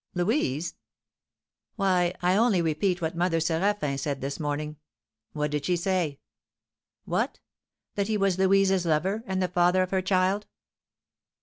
"Louise?" "Why, I only repeat what Mother Séraphin said this morning." "What did she say?" "What? that he was Louise's lover, and the father of her child."